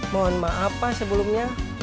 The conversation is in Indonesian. mohon maaf pak sebelumnya